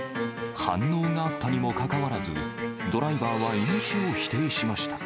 反応があったにもかかわらず、ドライバーは飲酒を否定しました。